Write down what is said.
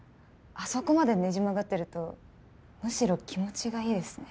あそこまでねじ曲がってるとむしろ気持ちがいいですね。